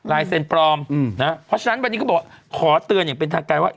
เซ็นปลอมนะเพราะฉะนั้นวันนี้เขาบอกขอเตือนอย่างเป็นทางการว่า